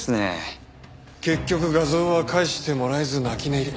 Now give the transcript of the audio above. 結局画像は返してもらえず泣き寝入り。